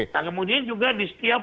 nah kemudian juga di setiap